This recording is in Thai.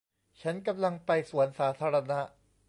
ฉันกำลังไปสวนสาธารณะ